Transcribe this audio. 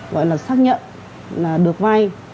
gọi là xác nhận là được vay